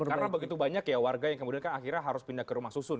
karena begitu banyak ya warga yang kemudian kan akhirnya harus pindah ke rumah susun